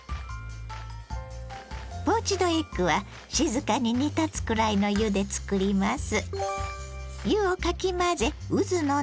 ポーチドエッグは静かに煮立つくらいの湯で作ります。